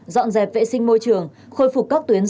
dọn dẹp vệ sinh môi trường khôi phục các tuyến